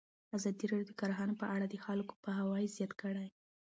ازادي راډیو د کرهنه په اړه د خلکو پوهاوی زیات کړی.